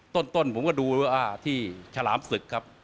ต้นผมก็ดูว่าที่ฉลามศึกครับ